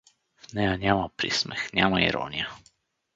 В нея няма присмех, няма ирония.